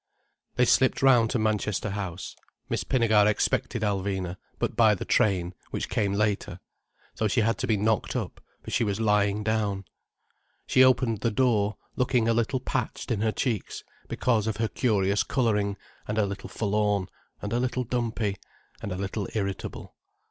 They slipped round to Manchester House. Miss Pinnegar expected Alvina, but by the train, which came later. So she had to be knocked up, for she was lying down. She opened the door looking a little patched in her cheeks, because of her curious colouring, and a little forlorn, and a little dumpy, and a little irritable.